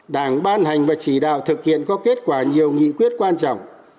đảng ban hành và chỉ đạo thực hiện có kết quả nhiều nghị quyết quan trọng